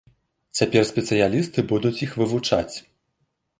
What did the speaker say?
Цяпер спецыялісты будуць іх вывучаць.